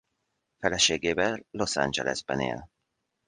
Feleségével Los Angelesben él.